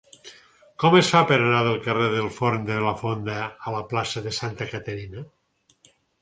Com es fa per anar del carrer del Forn de la Fonda a la plaça de Santa Caterina?